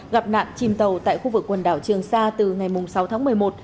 gặp nạn chìm tàu tại khu vực quần đảo trường sa từ ngày sáu tháng một mươi một